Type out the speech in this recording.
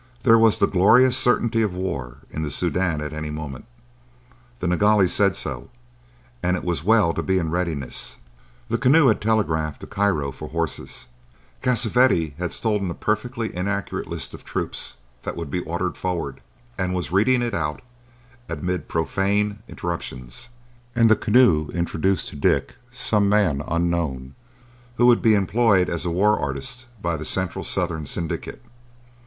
There was the glorious certainty of war in the Soudan at any moment. The Nilghai said so, and it was well to be in readiness. The Keneu had telegraphed to Cairo for horses; Cassavetti had stolen a perfectly inaccurate list of troops that would be ordered forward, and was reading it out amid profane interruptions, and the Keneu introduced to Dick some man unknown who would be employed as war artist by the Central Southern Syndicate.